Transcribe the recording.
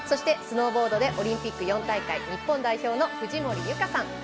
スノーボードでオリンピック４大会日本代表の藤森由香さん